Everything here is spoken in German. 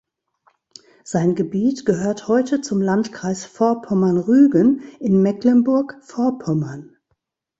Sein Gebiet gehört heute zum Landkreis Vorpommern-Rügen in Mecklenburg-Vorpommern.